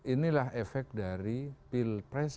inilah efek dari pil pres